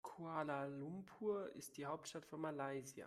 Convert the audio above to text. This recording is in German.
Kuala Lumpur ist die Hauptstadt von Malaysia.